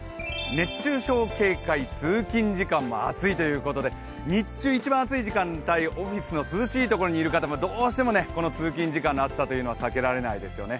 熱中症警戒通勤時間も暑いということで日中一番暑い時間帯、オフィスの涼しい部屋にいる方もどうしてもこの通勤時間の暑さというのは避けられないですよね。